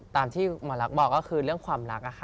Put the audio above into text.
ตามที่หมอลักษณ์บอกก็คือเรื่องความรักค่ะ